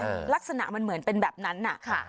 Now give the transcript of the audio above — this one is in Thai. ลักษณะมันเหมือนเป็นแบบนั้นน่ะค่ะ